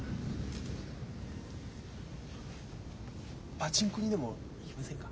パチンコにでも行きませんか？